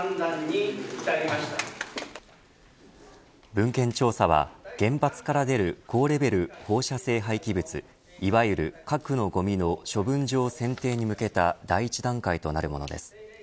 文献調査は原発から出る高レベル放射性廃棄物いわゆる、核のごみの処分場選定に向けた第１段階となるものです。